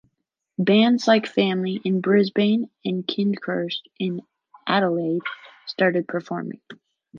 Bands like Family in Brisbane, and Kindekrist in Adelaide, started performing.